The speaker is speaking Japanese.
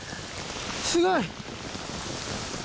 すごい。